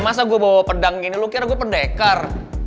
masa gue bawa pedang gini lo kira gue pendekar